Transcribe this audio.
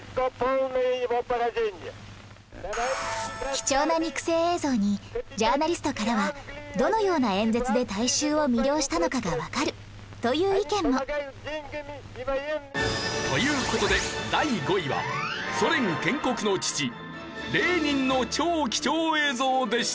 貴重な肉声映像にジャーナリストからは「どのような演説で大衆を魅了したのかがわかる」という意見もという事で第５位はソ連建国の父レーニンの超貴重映像でした。